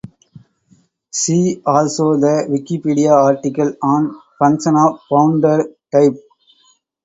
See also the Wikipedia article on functions of bounded type.